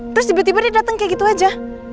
terus tiba tiba dia datang kayak gitu aja